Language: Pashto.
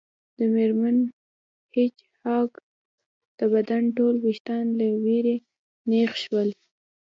د میرمن هیج هاګ د بدن ټول ویښتان له ویرې نیغ شول